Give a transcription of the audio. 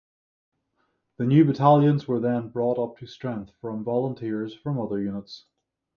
The new battalions were then brought up to strength from volunteers from other units.